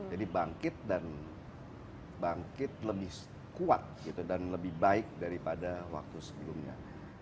jadi bangkit dan bangkit lebih kuat gitu dan lebih baik daripada waktu sebelumnya